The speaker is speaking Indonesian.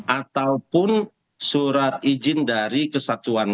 ataupun surat izin dari kesatuan